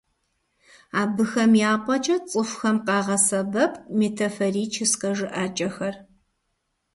Абыхэм я пӏэкӏэ цӏыхухэм къагъэсэбэпт метафорическэ жыӏэкӏэхэр.